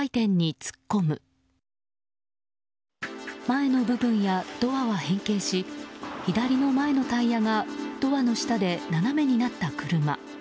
前の部分やドアは変形し左の前のタイヤがドアの下で斜めになった車。